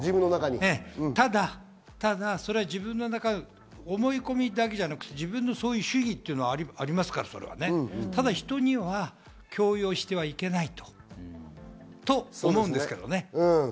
ただ、自分の中の思い込みだけではなくて、自分の主義っていうものもありますから、ただ人には強要してはいけないと思うんですけどね。